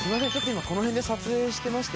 今この辺で撮影してまして。